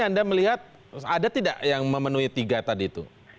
anda melihat ada tidak yang memenuhi tiga tadi itu